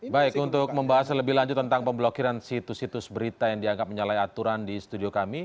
baik untuk membahas lebih lanjut tentang pemblokiran situs situs berita yang dianggap menyalahi aturan di studio kami